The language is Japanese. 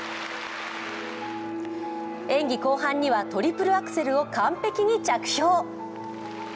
演技後半には、トリプルアクセルを完璧に着氷。